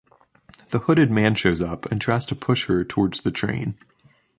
The hooded man shows up and tries to push her towards the train.